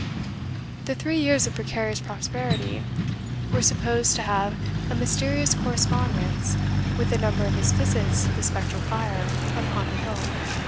The three years of precarious prosperity were supposed to have a mysterious correspondence with the number of his visits to the spectral fire upon the bill.